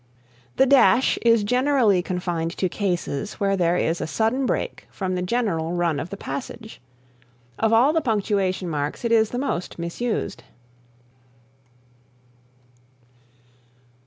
The Dash is generally confined to cases where there is a sudden break from the general run of the passage. Of all the punctuation marks it is the most misused.